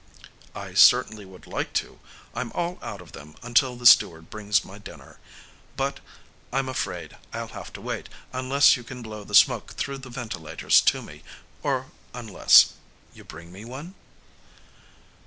"I certainly would like to. I'm all out of them until the steward brings my dinner. But I'm afraid I'll have to wait, unless you can blow the smoke through the ventilators to me, or unless ... you bring me one?"